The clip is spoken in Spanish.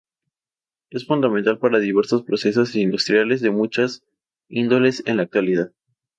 Es fundamental para diversos procesos industriales de muchas índoles en la actualidad.